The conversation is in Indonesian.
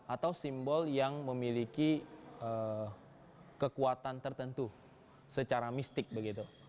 atau simbol yang memiliki kekuatan tertentu secara mistik begitu